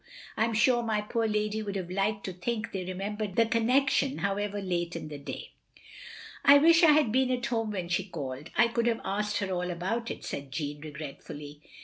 I 'm sure my poor lady would have liked to think they remembered the corjiection however late in the day. " "I wish I had been at home when she called; I could have asked her all about it, " said Jeanne, regretfully.